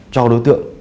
cho đối tượng